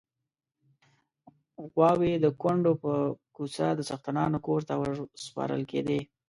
غواوې د کونډو پر کوڅه د څښتنانو کور ته ورسپارل کېدې.